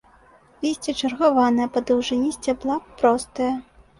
Лісце чаргаванае па даўжыні сцябла, простае.